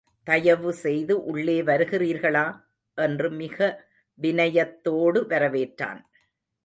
தயவுசெய்து உள்ளே வருகிறீர்களா? என்று மிக வினயத்தோடு வரவேற்றான்.